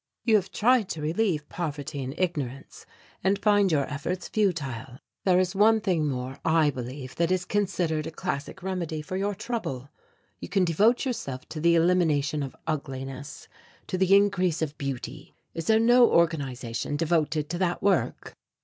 "You have tried to relieve poverty and ignorance and find your efforts futile. There is one thing more I believe that is considered a classic remedy for your trouble. You can devote yourself to the elimination of ugliness, to the increase of beauty. Is there no organization devoted to that work?"